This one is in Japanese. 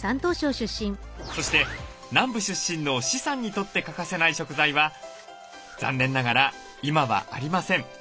そして南部出身の施さんにとって欠かせない食材は残念ながら今はありません。